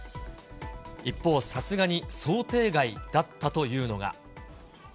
一方、さすがに想定外だったというのが。